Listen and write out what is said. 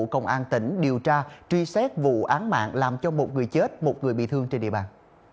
công an tỉnh điều tra truy xét vụ án mạng làm cho một người chết một người bị thương trên địa bàn